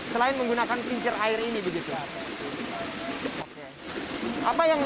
selain menggunakan kincir air ini begitu